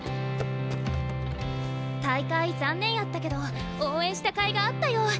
大会残念やったけど応援したかいがあったよ。